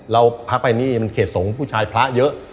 เราพักไปนี่มันเขตสงฆ์ผู้ชายพระเยอะ